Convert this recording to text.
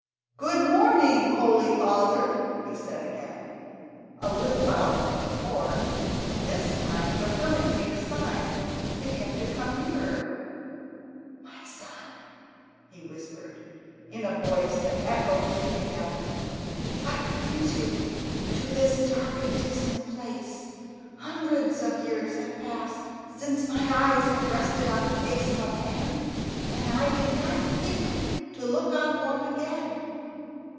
"Good morning, holy father," he said again, a little louder than before, and this time the hermit made a sign to him to come nearer. "My son," whispered he, in a voice that echoed through the cavern, "what brings you to this dark and dismal place? Hundreds of years have passed since my eyes have rested on the face of a man, and I did not think to look on one again.".